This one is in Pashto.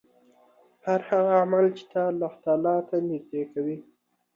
هر هغه عمل چې تا الله تعالی ته نژدې کوي